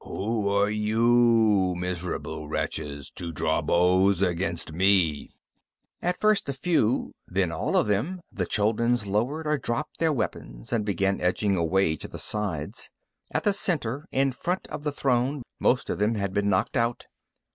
Who are you, miserable wretches, to draw bows against Me?_" At first a few, then all of them, the Chulduns lowered or dropped their weapons and began edging away to the sides. At the center, in front of the throne, most of them had been knocked out.